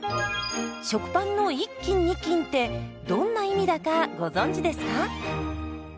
食パンの１斤２斤ってどんな意味だかご存じですか？